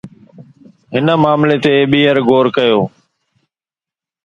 هن معاملي تي ٻيهر غور ڪيو